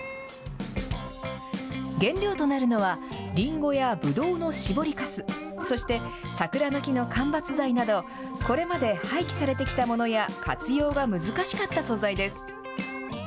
原料となるのは、りんごやぶどうの搾りかす、そして、桜の木の間伐材など、これまで廃棄されてきたものや活用が難しかった素材です。